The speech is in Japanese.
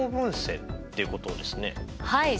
はい。